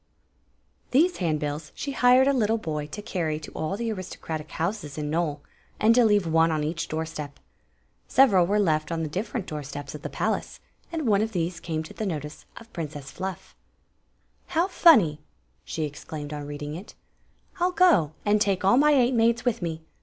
These handbills she hired a little boy to carry to all the aristocratic houses in Nole, and to leave one on each door step. Several were left on the different door steps of the palace, and one of these came to the notice of Princess FluF " How funny !" she excla med on reading it. " I '11 go, and take all my eight maids with me.